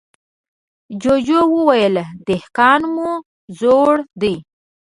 جوجو وويل: دهقان مو زوړ دی.